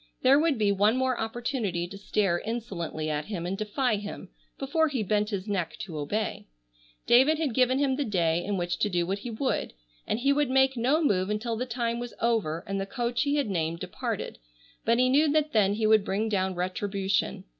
There would be one more opportunity to stare insolently at him and defy him, before he bent his neck to obey. David had given him the day in which to do what he would, and he would make no move until the time was over and the coach he had named departed, but he knew that then he would bring down retribution.